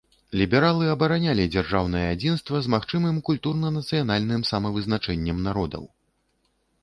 Лібералы абаранялі дзяржаўнае адзінства з магчымым культурна-нацыянальным самавызначэннем народаў.